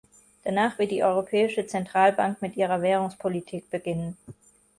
Danach wird die Europäische Zentralbank mit ihrer Währungspolitik beginnen.